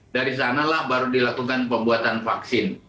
dari sanalah baru dilakukan pembuatan vaksin